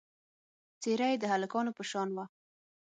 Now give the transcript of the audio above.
څېره یې د هلکانو په شان وه.